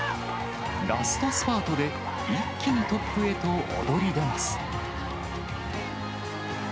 ラストスパートで一気にトップへと躍り出ます。